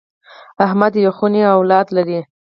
احمد یوه خونه اولاد لري.